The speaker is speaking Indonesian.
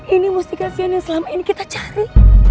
ini mustikasion yang selama ini kita cari